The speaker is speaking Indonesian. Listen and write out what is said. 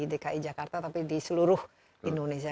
di dki jakarta tapi di seluruh indonesia